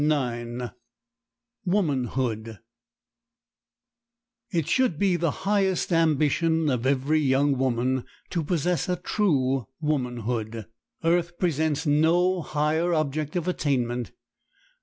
] It should be the highest ambition of every young woman to possess a true womanhood. Earth presents no higher object of attainment.